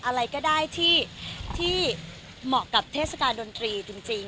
อะไรก็ได้ที่เหมาะกับเทศกาลดนตรีจริง